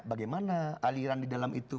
bagaimana aliran di dalam itu